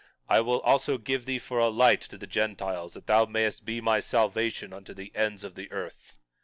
I will also give thee for a light to the Gentiles, that thou mayest be my salvation unto the ends of the earth.